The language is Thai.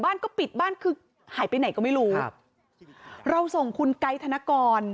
บ้านก็ปิดบ้านคือหายไปไหนก็ไม่รู้ครับเราส่งคุณไกด์ธนกร